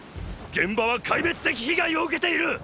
現場は壊滅的被害を受けている！！